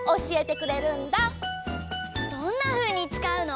どんなふうにつかうの？